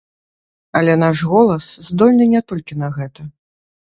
Але наш голас здольны не толькі на гэта.